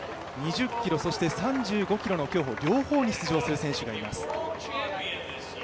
２０ｋｍ、そして３５ｋｍ競歩両方に出場する選手がいます。